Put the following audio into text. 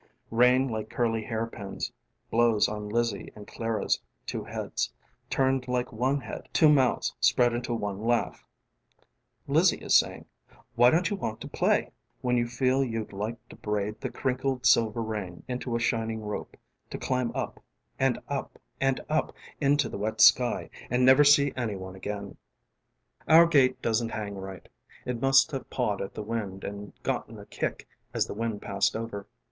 ┬Ā┬ĀRain like curly hairpins ┬Ā┬Āblows on Lizzie and Clara's two heads ┬Ā┬Āturned like one headŌĆö ┬Ā┬Ātwo mouths ┬Ā┬Āspread into one laugh. ┬Ā┬ĀLizzie is saying: ┬Ā┬Āwhy don't you want to playŌĆö ┬Ā┬Āwhen you feel you'd like to braid ┬Ā┬Āthe crinkled silver rain ┬Ā┬Āinto a shining rope ┬Ā┬Āto climb upŌĆ" and upŌĆ" and upŌĆ" into the wet sky ┬Ā┬Āand never see any one again. Our gate doesn't hang right. It must have pawed at the wind and gotten a kick as the wind passed over.